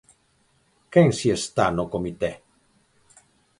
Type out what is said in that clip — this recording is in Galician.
Quen si está no comité?